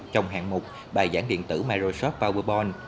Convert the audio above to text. trong hạng mục bài giảng điện tử microsoft powerpoint